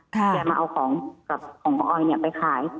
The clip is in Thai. แกมาเอาของกับของน้องออยไปขาย